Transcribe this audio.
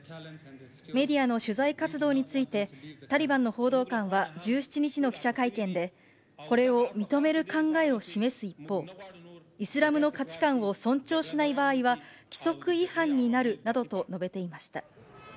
メディアの取材活動について、タリバンの報道官は１７日の記者会見で、これを認める考えを示す一方、イスラムの価値観を尊重しない場合は、規則違反になるなどと述べていました。